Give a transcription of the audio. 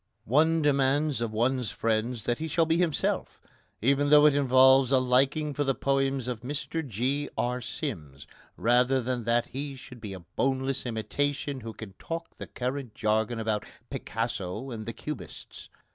One demands of one's friend that he shall be himself, even though it involves a liking for the poems of Mr G. R. Sims, rather than that he should be a boneless imitation who can talk the current jargon about Picasso and the cubists.